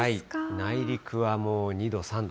内陸はもう２度、３度。